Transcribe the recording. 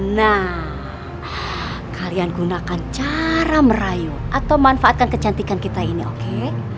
nah kalian gunakan cara merayu atau manfaatkan kecantikan kita ini oke